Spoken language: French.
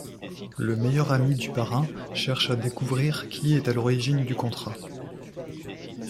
Le meilleur ami du parrain cherche à découvrir qui est à l'origine du contrat.